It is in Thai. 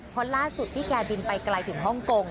เพราะล่าสุดพี่แกบินไปไกลถึงฮ่องกง